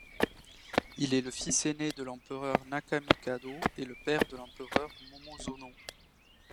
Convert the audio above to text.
Il est le fils aîné de l'empereur Nakamikado et le père de l'empereur Momozono.